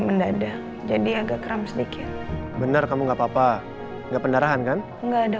mendadak jadi agak kram sedikit bener kamu enggak papa enggak pendarahan kan enggak ada